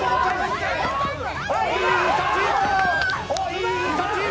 いい感じ。